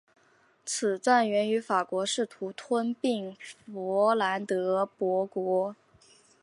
此战源于法国试图吞并弗兰德伯国。